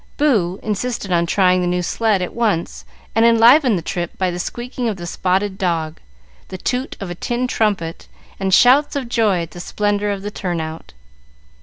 Boo insisted on trying the new sled at once, and enlivened the trip by the squeaking of the spotted dog, the toot of a tin trumpet, and shouts of joy at the splendor of the turn out.